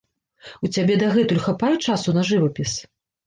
У цябе дагэтуль хапае часу на жывапіс?